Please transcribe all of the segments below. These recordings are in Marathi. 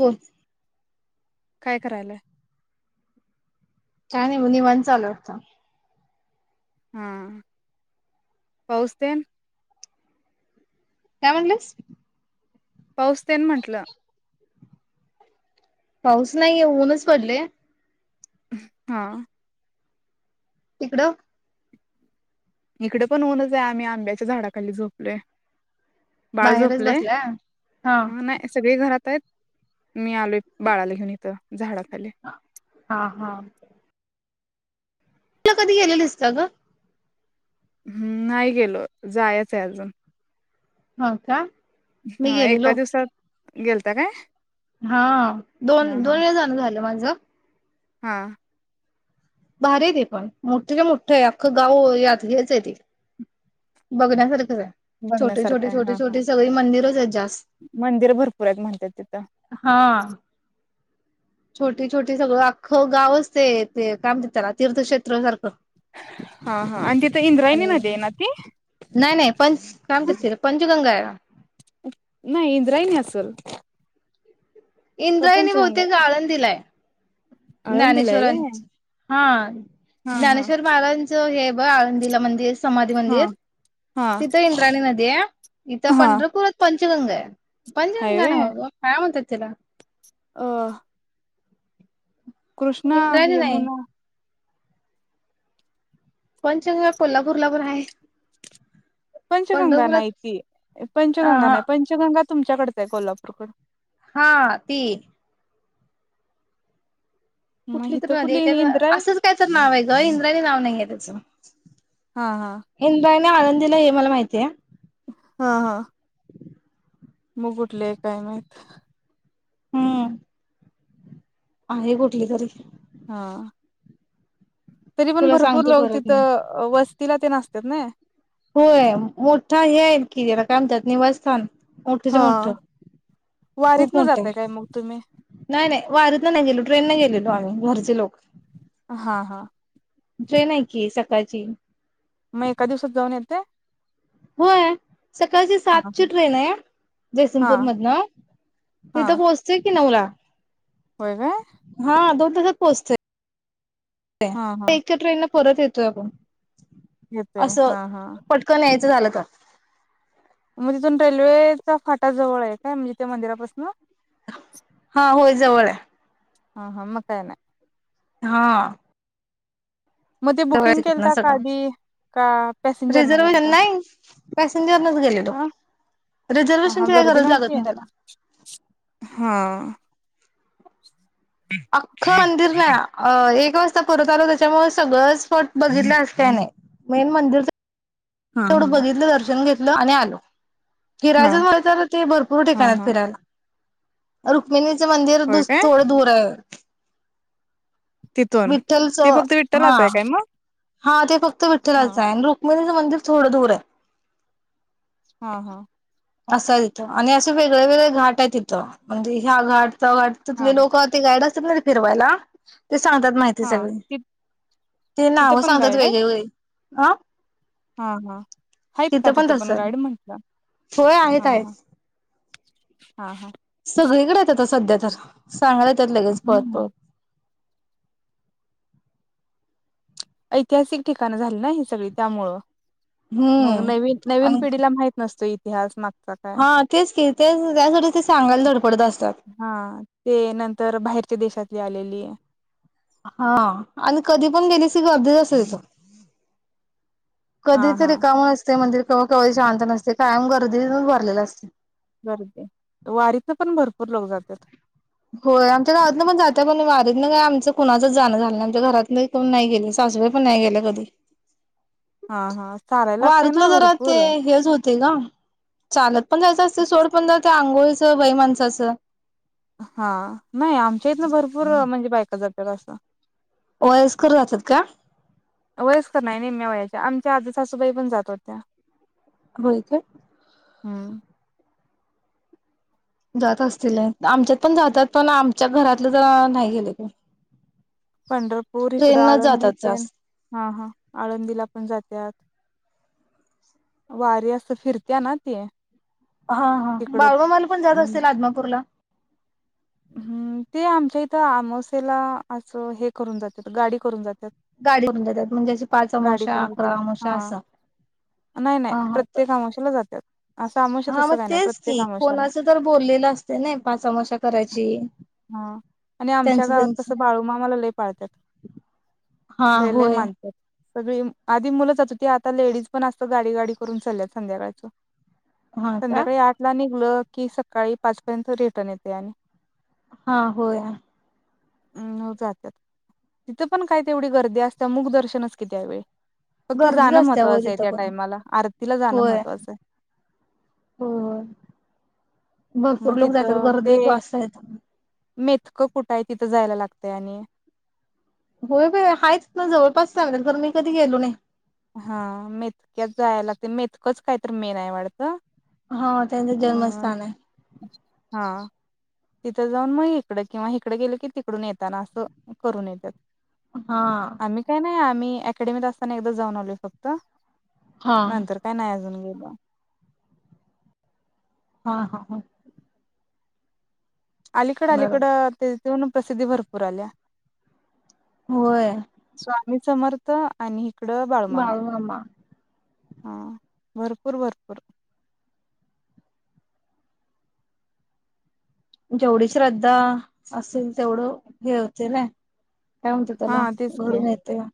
हो. काय करायलाय. का नाही मग निवांत चालू आहे आता हा पाऊस तिनं. काय म्हणलंस. पाऊस तिनं म्हटलं. पाऊस नाहीय ऊनच पडले. हा. तकडं इकडे पण ऊनच आहे आम्ही आंब्याच्या झाडाखाली झोपलोय. बाळ बाहेरच झोपलय बसलाय हा ह नाही सगळे घरात पण मी आलोय बाळाला घेऊन इथं झाडाखाली हा हा तुला कधी गेलं दिसत का. हम्म नाही गेलो जायच अजून हो का? मी हा एका गेलेलो दिवसात गेलता काय. हा दोन हा हा दोन व जण झाले माझ. जा. हा. भारी आहे ते पण मोठं का मोठं अख्खं गाव यात घच आहे ते बघण्यासारख. छोटे बघण्यासारखं छोटी आहे छोटी हा हा छोटी सगळी मंदिरच आहेत जास्त मंदिर भरपूर आहेत म्हणतात तिथं हा. छोटी छोटी सगळं अख्खं गावच ते ते काम द त्यांना तीर्थक्षेत्र सारखं. हा हा आणि तिथं इंद्रायणी आणि नदी आहे ना ती नाही नाही पंच कामत पंचगंगा आहे. हा. नाही इंद्राई नाही असल. का इंद्राईंनी पंचगंगा बहुतेक आाळन दिलाय आळंदीला आहे व्हय ज्ञानेश्वरांच हा हा हा ज्ञानेश्वर महाराजांच हे आळंदीला मंदिर. हा मर हा तिथ इंद्राणी नदी आहे इथ हा पंढपात वकंग पंजाब हाय गाणा व्हय हो काय म्हणतात. त्याला अ कृष्णा इंद्रायणी नाही यमुना पंचंग कोल्हापूरला पण आहे पंचगंगा पंढरपुरात नाहीती अ पंचगंगा नाही पंचगंगा तुमच्याकडचं आहे कोल्हापूरकडून हा ती मग कुठली इथं तररी मध्ये इंदिरा आहे असंच काय तर नाव आहे ग इंद्राणी नाव नाहीय हा हा आनंदीला हे मला माहितीय आहे हा हा मुकुटले कायमत हम्म आहे कुठली तरी हा तरी पण तुला भरपूर सांगते लोक परत मी तिथं वस्तीला ते नात नाही होय मोठा हे आहे की त्याला काय म्हणतात निवासस्थान मोठच हा मोठ वारीत खूप न मोठे जातय काय मग तुम्ही नाही नाही वारीत ना नाही गेलो ट्रेन न गेलेलो आम्ही घरचे लोक हा हा ट्रेन आहे की सकाळची मग एका दिवसात जाऊन येते होय सकाळची सात हा ची ट्रेन आहे जयसिंगपूर हा मधनं हा तीथ पोहोचते नवला होय काय हा दो तसं पोहच हा हा एक ट्रेन परत येतोय अ आपण येते असं हा हा पटकनच झालं का मग तिथून रेल्वेचा फाटा जवळ आहे काय म्हणजे त्या मंदिरापासून हा होय जवळ आहे हा आम कायने हा मग ते जवळ आहे बुकिंग तिथन केलता का सगळं आधी का पॅसेंजर न रिझर्वेशन केलता नाही पॅसेंजरनच गेलेलो ह ह रिझर्वेशनची काही गर्दी गरज लागत नव्हती नाही त्याला हा अख्खं मंदिर ना अ एक वाजता परत आलो त्याच्यामुळे सगळं स्ॉट बघितलं असतेने मेन मंदिर हा हा तेवढं बघितलं दर्शन घेत आणि आलो. हा फिरायचच [unintelligible] तर ते भरपूर हा ठिकाणात हा फिरायला. रुक्मिणी मंदिर होय काय थोडे दूर आहे. तिथून विठ्ठलच ते फक्त हा विठ्ठलाच आहे काय मग. हा ते फक्त हा विठलाच आहे आण रुक्म मंदिर थोडं दूर आहे. हा हा. असं तिथं आणि असे वेगळे वेगळे घाट आहे तिथं म्हणजे ह्या घाट वाटतत हा लोक होते गाइड फिरवाला ते सांगतात माहिती हा सगळे ति ते तिथं नाव पण सांगतात गाईड आहे वेगळेवेगळे आह. हा हा आहेत का तिथं पण गाइड म्हटलं. होय आहेत आहेत. हा हा सगळीकडे आता सध्या तर. चांगलाय त्यात लगेच पळत पळत. हम्म ऐतिहासिक ठिकाणं झाली ना हे सगळी त्यामुळं. मग नवी हम्म नवीन आणि पिढीला माहित नसत इ इतिहास माग काय हा तेच की ते त्यासाठी ते सांगायला धडपडत असतात हा ते नंतर बाहेरच्या देशातली आलेली. हा आणि कधी पण गेल्यास गर्दीच असते तिथ. हा कधीतरी हा रीकाम असते मंदिर. किंवा केवी शांत नसते कायम गर्दी भरलेला असते. गरदीे वारीत पण भरपूर लोक जातात. होय आमच्या गावात न पण जाता पण वारीत ना का आमच कुणाचंच जाणं झालं ना आमच्या घरात नाही कोण नाही गेले सासूबाई पण नाही गेल्या कधी. हा हा चालायला लागते वारीतलं ना जरा भरपूर. हेच ते होते ग चालत पंध असते सोड पंधरा ते अंघोळी वई माणसं असं हा नाही आमच्या इथनं भरपूर म्हणजे बायका जा ख अस वयस्कर जातात का वयसकर नाही नेमम्या वयाच्या आमच्या आधी सासूबाई पण जात होत्या होय का हम्म जात असतील आमच्यात पण जातात पण आमच्या घरातलं तर नाही गेले पंढरपूर इकडं ट्रेन नच आळंदी जातात ते जास्त हा हा आळंदीला पण जातेत वारी असं फिरत्या ना ते हा हा तिकडं बाळवामाल पण जात असते आदमापूरला सित आम सला अस हे करून जाते गाडी करून जाते गाडी म्हण जात म्हणजे अशी पाच अमावशा करून अकरा जात्यात अमावशा हा असा नाही हा नाही हा प्रत्येक अमावस्येला जात्यात असं अमावस्या हा मग तसं काय नाही तेच प्रत्येक की अमावस्याला कोणाच तर बोललेलं असते ना पाचमश करायची त्यांचं त्यांच मामाला लय पाळतात हा लय लय होय मानतात सगळी आधी मुलं जातो ती आता लेडीज पण असतं गाडी गाडी करून चालल्यात संध्याकाळचं हा का संध्याकाळी आठ ला आणि लं की सकाळी पाच पर्यंत रिटर्न येते आणि हा हो या हम् तिथं पण काय तेवढी गर्दी असत मुग दर्शनच कि त्यावेेळ फक्त गर्दीच जाणं असते हो महत्त्वाचं आहे तिथं त्या पण टायमाला आरतीला जाणं होय महत्त्वाचं आहे होय. मग भरपूर लोक जातात तिथं ते गर्दी वाजता येत मेथकं कुठं आहे तिथं जायला लागतय आणि होय भ हायच ना जवळपास चांगलं तर मी कधी गेलो नाही हा म क्यात जाय लागते मेथकच काय तर मेन आहे वाटतं हा त्यांचं अ जन्मस्थान आहे हा तिथं जाऊन मग इकड किंवा इकडें गेलं की तिकडून येताना असं करून येतात हा आम्ही काय नाही आम्ही अकडेमी असताना एकदा जाऊन फक्त हा नंतर काय नाही अजून गे ह हा हा हा अलीकड बरोबर अलीकडं ते ते म्हण प्रसिद्धी भरपूर आल्या होय. मी समर्थ आणि इकडं बाळूमामा. हा भरपूर भरपूर. जेवढी श्रद्धा असेल तेवढं हे होते ना. काय होतय हा त्याला तेच की घडून येतय.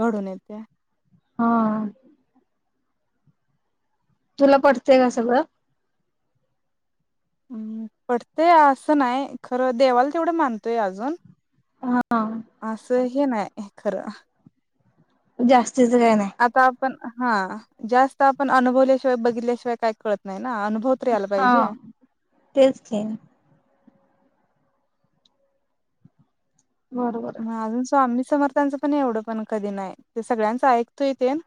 घडून येते. हा. तुला पडतय काय सगळं? हम्म पडतेय असं नाही खरं देवाला तेवढं मानतोय अजून. हा. असं हे नाय खरं. जास्त. तुज काय नाय. आता आपण हा जास्त आपण अनुभवल्याशिवाय बघितल्याशिवाय काय कळत नाय. हा, तेच की. बरोबर म आहे आजून स्वामी समर्थांच पण एवढं पण कधी नाय ते सगळ्यांच ऐकतोय तेेन.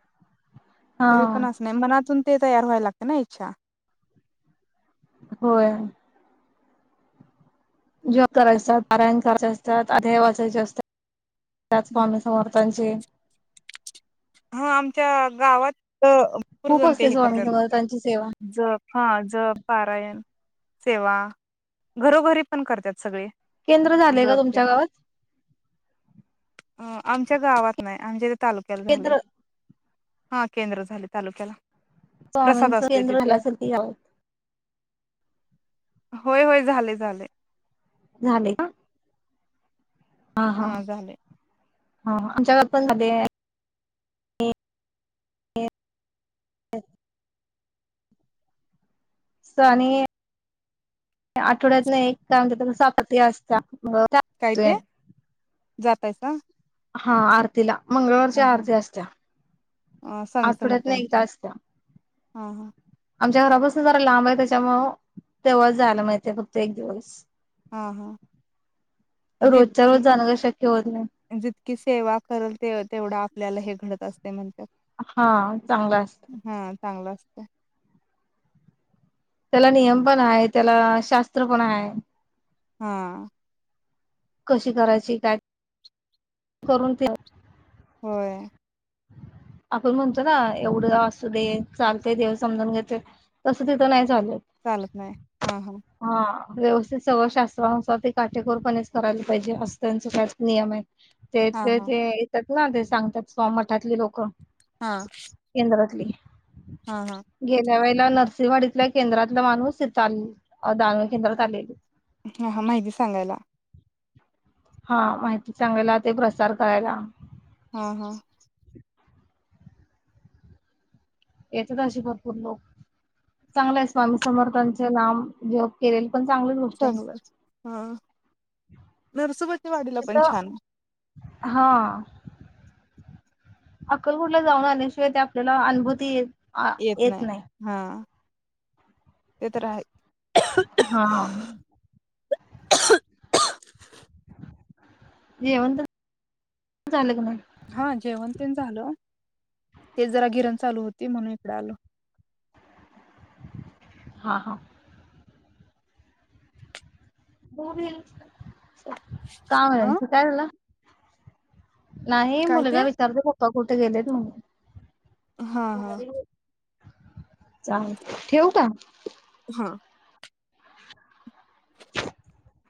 हा तरी पण अस नाही मनातून ते तयार व्हायला लागते ना इच्छा. होय. जॉब कराचा असतात पाराण करायचे असतात आध्या वाचायचे असतात. त्यात स्वामी समर्थांची हा आमच्या गावात भरपूर खूप जण ते असते हे स्वामी करतात समर्थांची सेवा. जप हा जप, पारायण, सेवा घरोघरी पण करतात सगळे. केंद्र झालय का जप ते तुमच्या गावात. आमच्या गावात नाही. आमच्या तालुक्याला झालय. केंद्र हा केंद्र झाले तालुक्याला. प्रसाद स्वामींच असतोय केंद्र तिथं झाल्यासारथी याव. होय होय झालय झालय. झालंय का. हा झालय. हा हा, आमच्या गावात पण झालय. ते. [unintelligible] आठवड्यात एक [unintelligible] आरती असत्या. काय ते त्यात. जातायसा. हा आरतीला. हा मंगळवारच्या आरती असत्या हा स्वामी आठवड्यातनं एकदा समर्थांचे असत्या. हा हा आमच्या घरापसून जरा लांब आहे त्याच्यामुळं तेव्हाच जायला मिळतंय फक्त एक दिवस. हा हा रोजच्या रोज जाणं काय शक्य होत नाही. की सेवा करल ते तेवढं आपल्याला हे घडत असतयं म्हण हा चांगलं असत. हा चांगलं असतयं. त्याला नियम पण हाय त्याला शास्त्र पण हाय. हा. कशी करायची काय करून ठ होय. आपण म्हणतो ना एवढं असू दे चालतयं देव समजून घेतोय तस तिथं नाही चालत चालत नाही हा हा. व्यवस्थित सगळं शास्त्रानुसार ते काटेकोरपणेच करायला पाहिजे असं त्यांच कायच नियम आहेत. हा तेथले हा. ते इथ ना ते सांगतात स्वाम मठातील लोकं. हा केंद्रातली हा हा गेल्या वेळेला नरसिंहवाडीतल्या केंद्रातला माणूस दानोळी केंद्रात आलेली. हा हा माहिती सांगायला हा माहिती सांगायला ते प्रसार करायला. हा हा याच्यात अशी भरपूर लोक, चांगले आहे स्वामी समर्थांचे नाम जप केलेले पण चांगलीच गोष्ट आहे. नरसुबाच्या वाडीला पण, तिथं छान हा अक्कलकुटला जाऊन आल्याशिवाय, ते आपल्याला अनभूती येत येत नाही हा. ते तर आहे हा. [unintelligible] जेवण झालं झालं का नाही. हा जेवण तेन झालं. ते जरा गिरण चालू होती म्हणून इकडे आलो. हा हा बोबील [unintelligible] का अ म्हरायचं काय झाला नाही काय ते मुलगा विचारत होता. कुठे गेले का नही हा हा झारी चालेल ठेऊ का? हा. [unintelligible]